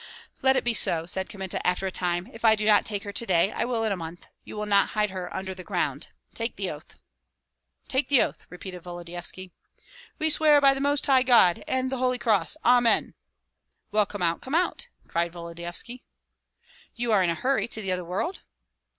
"Let it be so," said Kmita, after a time. "If I do not take her to day, I will in a month. You will not hide her under the ground! Take the oath!" "Take the oath!" repeated Volodyovski. "We swear by the Most High God and the Holy Cross. Amen!" "Well, come out, come out!" cried Volodyovski. "You are in a hurry to the other world?"